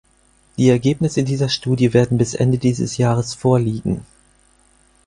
Die Ergebnisse dieser Studie werden bis Ende dieses Jahres vorliegen.